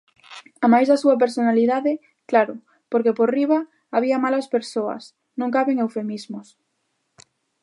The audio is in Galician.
Amais da súa personalidade, claro; porque, por riba, había malas persoas; non caben eufemismos.